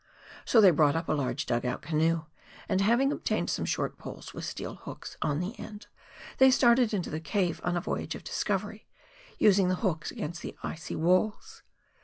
So they brought up a large " dug out " canoe, and having obtained some short poles with steel hooks on the end, they started into the cave on a voyage of discovery, using the hooks against the icy walls.